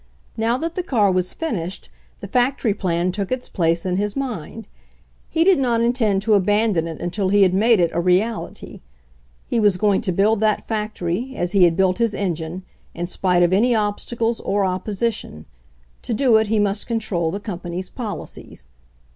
Now that the car was finished, the factory plan took its place in his mind. He did not intend to abandon it until he had made it a reality. He was going to build that factory, as he had built his engine, in spite of any obstacles or opposition. To do it, he must control the company's policies.